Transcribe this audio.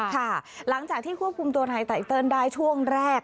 ค่ะหลังจากที่ควบคุมตัวนายไตเติลได้ช่วงแรก